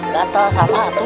gatel sama tuh